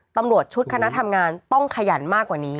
ตำรวจชุดคณะทำงานต้องขยันมากกว่านี้